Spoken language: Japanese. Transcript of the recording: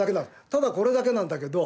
ただこれだけなんだけど。